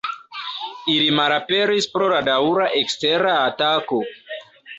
Ili malaperis pro la daŭra ekstera atako.